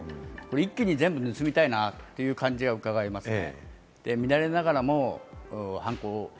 一気に全部盗みたいなという感じが伺えますね。